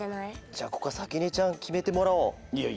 じゃあここはさきねちゃんきめてもらおう。